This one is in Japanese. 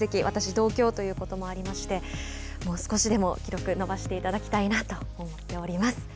私、同郷ということもありましてもう、少しでも記録を伸ばしていただきたいなと思っております。